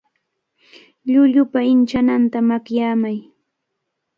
Llullupa inchananta makyamay.